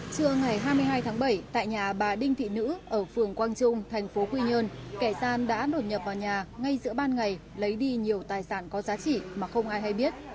trưa ngày hai mươi hai tháng bảy tại nhà bà đinh thị nữ ở phường quang trung thành phố quy nhơn kẻ gian đã đột nhập vào nhà ngay giữa ban ngày lấy đi nhiều tài sản có giá trị mà không ai hay biết